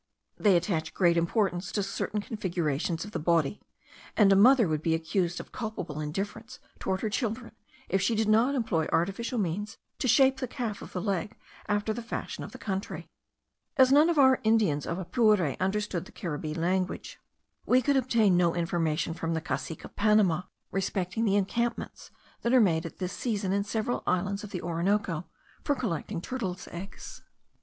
They attach great importance to certain configurations of the body; and a mother would be accused of culpable indifference toward her children, if she did not employ artificial means to shape the calf of the leg after the fashion of the country. As none of our Indians of Apure understood the Caribbee language, we could obtain no information from the cacique of Panama respecting the encampments that are made at this season in several islands of the Orinoco for collecting turtles' eggs.